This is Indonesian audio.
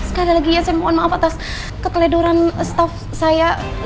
sekali lagi ya saya mohon maaf atas kekeledoran staff saya